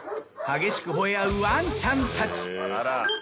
激しく吠え合うワンちゃんたち。